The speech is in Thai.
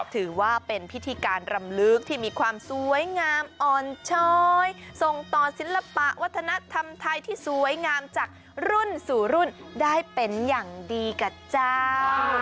ถือว่าเป็นพิธีการรำลึกที่มีความสวยงามอ่อนช้อยส่งต่อศิลปะวัฒนธรรมไทยที่สวยงามจากรุ่นสู่รุ่นได้เป็นอย่างดีกับเจ้า